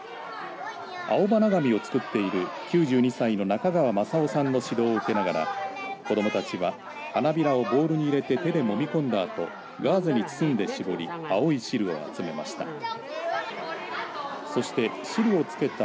青花紙を作っている９２歳の中川正雄さんの指導を受けながら子どもたちは、花びらをボールに入れて手でもみ込んだあとガーゼに包んで絞り青い汁を集めました。